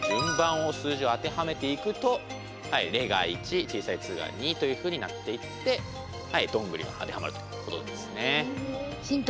数字を当てはめていくと「レ」が１小さい「ッ」が２というふうになっていって「ドングリ」が当てはまるということですね。